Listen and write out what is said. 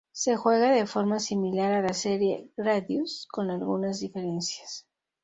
Se juega de forma similar a la serie "Gradius" con algunas diferencias.